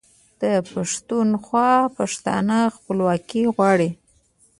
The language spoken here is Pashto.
د پښتونخوا پښتانه خپلواکي غواړي.